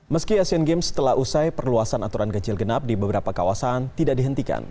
meski asian games telah usai perluasan aturan ganjil genap di beberapa kawasan tidak dihentikan